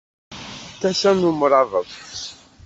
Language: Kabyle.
D tasa n umṛabeḍ!